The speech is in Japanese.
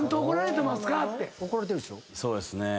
そうですねぇ。